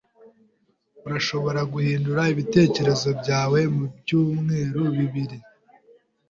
Urashobora guhindura ibitekerezo byawe mubyumweru bibiri.